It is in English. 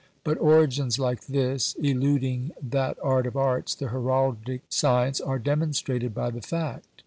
But origins like this, eluding that art of arts the heraldic science, are demonstrated by the fact.